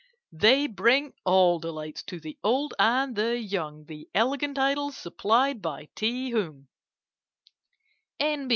"They bring all delights to the old and the young, The elegant idols supplied by Ti Hung. "N.